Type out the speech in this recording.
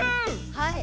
はい！